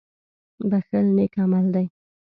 • بښل نېک عمل دی.